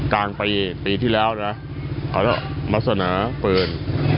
กลางปีปีที่แล้วนะเอาแล้วมาเสนอปืน